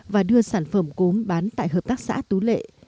và đưa sản phẩm cốm bán tại hợp tác xã tú lệ